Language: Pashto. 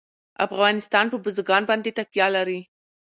افغانستان په بزګان باندې تکیه لري.